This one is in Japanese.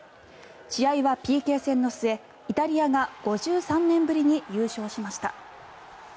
試合はＰＫ戦の末、イタリアが５３年ぶりに優勝しました。